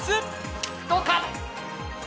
どうか！